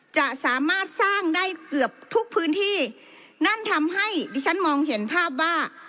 จะสามารถสร้างได้เกือบทุกพื้นที่นั่นทำให้ดิฉันมองเห็นภาพว่า